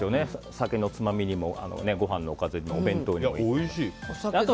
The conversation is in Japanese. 酒のつまみにもご飯のおかずにもお弁当にもいいと思います。